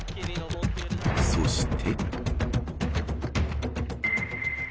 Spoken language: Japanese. そして。